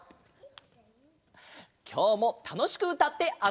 きょうもたのしくうたってあそぼうね！